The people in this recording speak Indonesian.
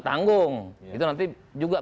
tanggung itu nanti juga